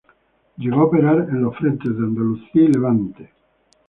Llegó a operar en los frentes de Andalucía y Levante.